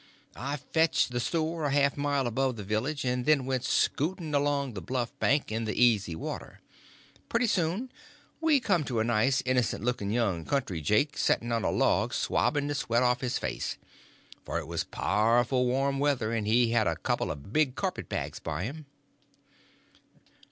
I fetched the shore a half a mile above the village, and then went scooting along the bluff bank in the easy water. Pretty soon we come to a nice innocent looking young country jake setting on a log swabbing the sweat off of his face, for it was powerful warm weather; and he had a couple of big carpet bags by him.